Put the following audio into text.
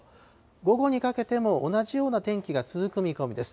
午後にかけても、同じような天気が続く見込みです。